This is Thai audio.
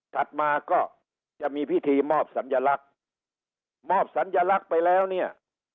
ถัดมาก็จะมีพิธีมอบสัญลักษณ์มอบสัญลักษณ์ไปแล้วเนี่ย